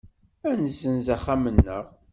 Ad nessenz axxam-nneɣ.